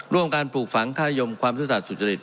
ร่วมการปลูกฝังฆาตยมความซื่อสัตว์สุจริต